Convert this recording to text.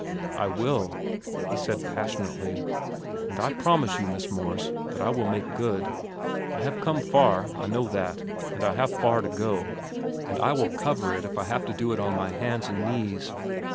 "I will," he said passionately. "And I promise you, Miss Morse, that I will make good. I have come far, I know that; and I have far to go, and I will cover it if I have to do it on my hands and knees."